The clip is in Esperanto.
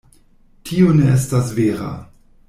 Tio ne estas vera.